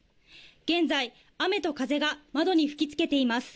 現在、雨と風が窓に吹きつけています。